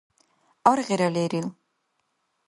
Аргъира лерил.